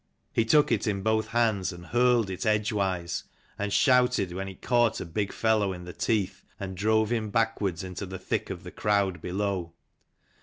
He took it in both hands and hurled it edgewise: and shouted when it caught a big fellow in the teeth and drove him backwards into the thick of the crowd below.